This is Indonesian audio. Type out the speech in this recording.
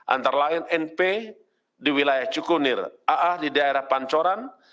antara lain np di wilayah cukunir